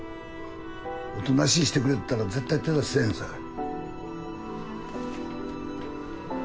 おとなしいしてくれてたら絶対手出しせぇへんさかい。